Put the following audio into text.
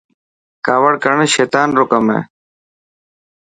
ڪاوڙ ڪرڻ سيطن رو ڪم هي.